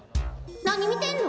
何見てんの？